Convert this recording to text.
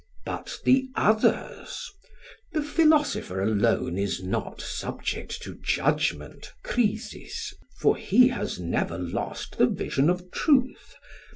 But the others (The philosopher alone is not subject to judgment (krisis), for he has never lost the vision of truth.)